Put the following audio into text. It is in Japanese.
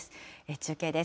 中継です。